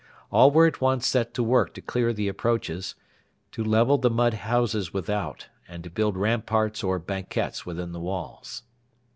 All were at once set to work to clear the approaches, to level the mud houses without, and to build ramparts or banquettes within the walls.